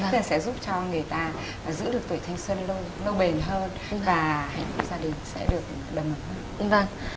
thì sẽ giúp cho người ta giữ được tuổi thanh xuân lâu bền hơn và hành động gia đình sẽ được đồng hành hơn